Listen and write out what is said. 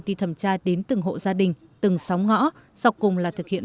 đi thẩm tra đến từng hộ gia đình từng sóng ngõ sau cùng là thực hiện